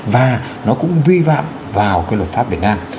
và nó cũng vi phạm vào cái luật pháp việt nam